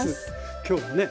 今日はね